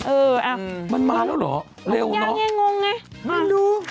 เอออ้าวเร็วน้อยงงไงอ้าวมันมาแล้วเหรอ